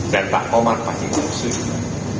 dan pak omar masih berusaha